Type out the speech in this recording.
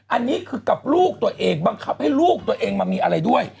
อันนี้คือกับลูกตัวเองบังคับให้ลูกตัวเองมามีอะไรด้วย